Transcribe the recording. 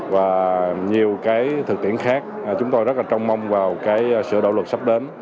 và nhiều cái thực tiễn khác chúng tôi rất là trông mong vào cái sửa đổi luật sắp đến